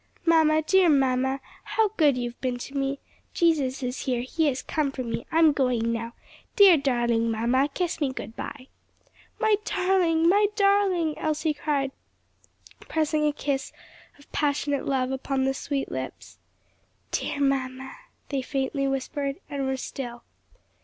"Mamma, dear mamma, how good you've been to me! Jesus is here, he has come for me. I'm going now. Dear, darling mamma, kiss me good bye." "My darling! my darling!" Elsie cried, pressing a kiss of passionate love upon the sweet lips. "Dear mamma," they faintly whispered and were still.